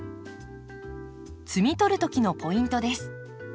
摘み取る時のポイントです。